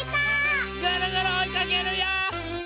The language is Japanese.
ぐるぐるおいかけるよ！